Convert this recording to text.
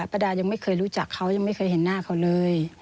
ประดายังไม่เคยรู้จักเขายังไม่เคยเห็นหน้าเขาเลย